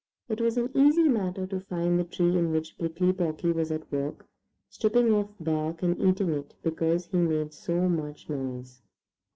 It was an easy matter to find the tree in which Prickly Porky was at work stripping off bark and eating it, because he made so much noise.